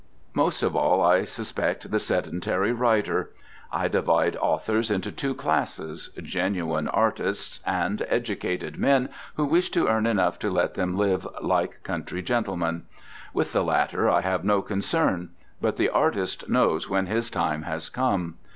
Most of all I suspect the sedentary writer. I divide authors into two classes—genuine artists, and educated men who wish to earn enough to let them live like country gentlemen. With the latter I have no concern. But the artist knows when his time has come.